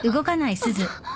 あっ。